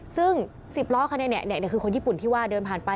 ซึ่ง๑๐ล้อคันนี้คือคนญี่ปุ่นที่ว่าเดินผ่านไป